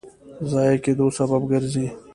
ضایع کېدو سبب ګرځي.